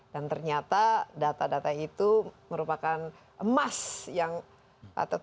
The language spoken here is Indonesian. dan ternyata data data itu merupakan emas yang atau transfer teknologi